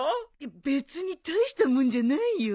別に大した物じゃないよ。